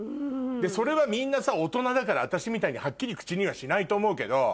それはみんな大人だから私みたいにはっきり口にはしないと思うけど。